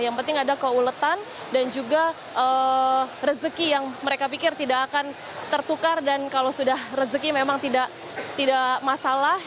yang penting ada keuletan dan juga rezeki yang mereka pikir tidak akan tertukar dan kalau sudah rezeki memang tidak masalah